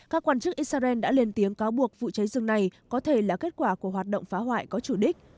các quan chức israel đã lên tiếng cáo buộc vụ cháy rừng này có thể là kết quả của hoạt động phá hoại có chủ đích